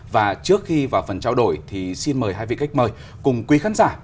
và trước khi vào phần trao đổi thì xin mời hai vị khách mời cùng quý khán giả